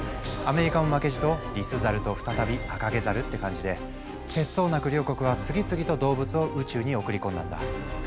アメリカも負けじとリスザルと再びアカゲザルって感じで節操なく両国は次々と動物を宇宙に送り込んだんだ。